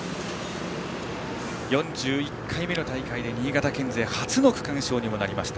４１回目の大会で新潟県勢初の区間賞にもなりました。